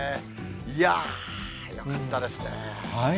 いやぁ、よかったですね。